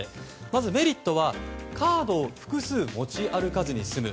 まずメリットはカードを複数持ち歩かずに済む。